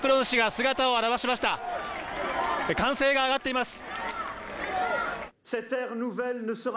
歓声が上がっています。